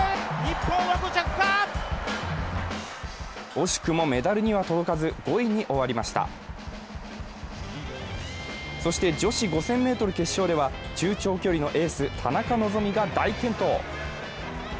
惜しくもメダルには届かず、５位に終わりましたそして女子５０００ｍ決勝では、中長距離のエース・田中希実が大健闘。